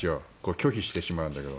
拒否してしまうんだけど。